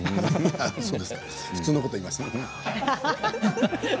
普通のことを言いました。